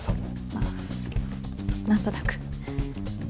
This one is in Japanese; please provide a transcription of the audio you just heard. まあ何となく。